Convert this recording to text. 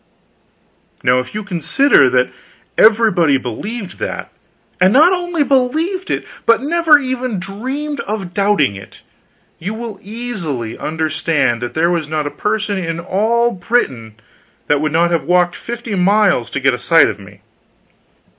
Now if you consider that everybody believed that, and not only believed it, but never even dreamed of doubting it, you will easily understand that there was not a person in all Britain that would not have walked fifty miles to get a sight of me.